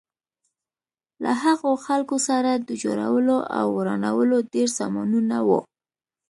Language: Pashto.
له هغو خلکو سره د جوړولو او ورانولو ډېر سامانونه وو.